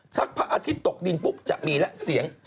พระอาทิตย์ตกดินปุ๊บจะมีแล้วเสียง